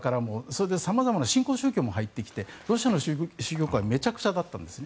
それで様々な新興宗教も入ってきてロシアの宗教界はめちゃくちゃだったんです。